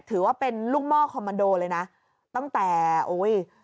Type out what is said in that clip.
ถือว่าเป็นลูกหม้อคอมมันโดเลยนะตั้งแต่โอ้ย